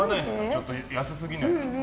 ちょいっと安すぎない？とか。